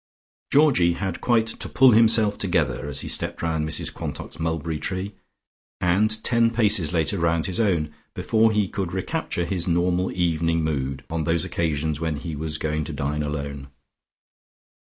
Georgie had quite "to pull himself together," as he stepped round Mrs Quantock's mulberry tree, and ten paces later round his own, before he could recapture his normal evening mood, on those occasions when he was going to dine alone.